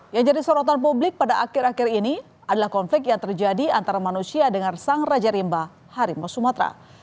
yang jadi sorotan publik pada akhir akhir ini adalah konflik yang terjadi antara manusia dengan sang raja rimba harimau sumatera